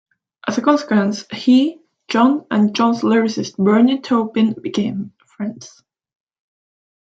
As a consequence, he, John and John's lyricist Bernie Taupin became friends.